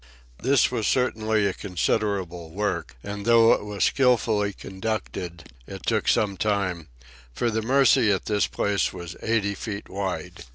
This was certainly a considerable work, and though it was skillfully conducted, it took some time, for the Mercy at this place was eighty feet wide.